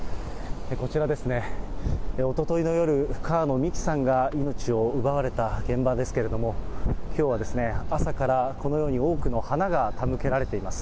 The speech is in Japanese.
こちらですね、おとといの夜、川野美樹さんが命を奪われた現場ですけれども、きょうは朝から、このように多くの花が手向けられています。